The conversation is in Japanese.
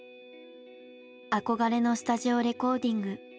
憧れのスタジオレコーディング。